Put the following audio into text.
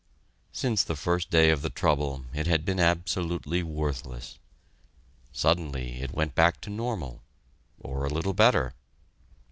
Since the first day of the trouble, it had been absolutely worthless. Suddenly it went back to normal or a little better.